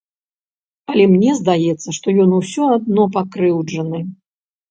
Але мне здаецца, што ён усё адно пакрыўджаны.